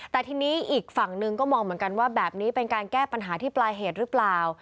แต่ทีนี้อีกฝั่งหนึ่งก็มองเหมือนกันว่าแบบนี้เป็นการแก้ปัญหาที่ปลายเหตุหรือเปล่า